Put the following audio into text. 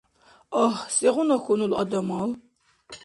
Агь, сегъуна хьунул адамал!